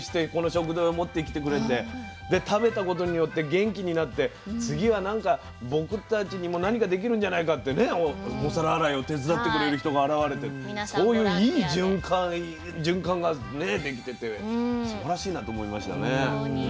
で食べたことによって元気になって次は僕たちにも何かできるんじゃないかってねお皿洗いを手伝ってくれる人が現れてそういういい循環がね出来ててすばらしいなと思いましたね。